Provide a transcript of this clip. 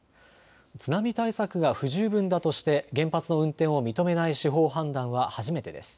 津波対策が不十分だとして原発の運転を認めない司法判断は初めてです。